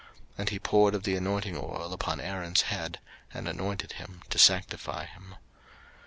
03:008:012 And he poured of the anointing oil upon Aaron's head, and anointed him, to sanctify him.